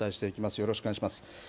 よろしくお願いします。